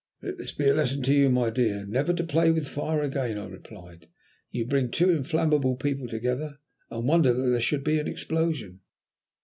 "Let this be a lesson to you, my dear, never to play with fire again," I replied. "You bring two inflammable people together, and wonder that there should be an explosion."